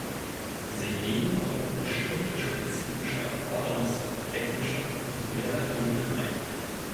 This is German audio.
Sie gehen auch auf bestimmte spezifische Erfordernisse auf technischer und materieller Ebene ein.